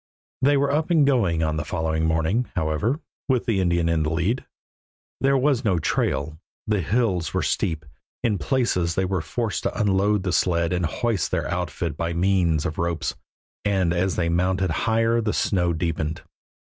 They were up and going on the following morning, however, with the Indian in the lead. There was no trail; the hills were steep; in places they were forced to unload the sled and hoist their outfit by means of ropes, and as they mounted higher the snow deepened.